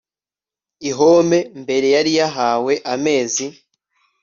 l Hommembere yari yahawe amezi